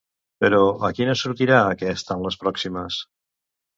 Però, a quina sortirà aquest en les pròximes?